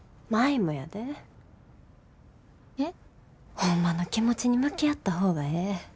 ホンマの気持ちに向き合った方がええ。